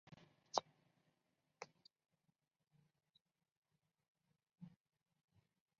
其中一号线车站由上海市隧道设计院设计。